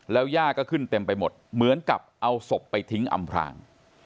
ย่าก็ขึ้นเต็มไปหมดเหมือนกับเอาศพไปทิ้งอำพลาง